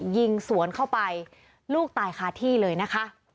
ยิงสวนเข้าไปลูกตายคาที่เลยนะคะ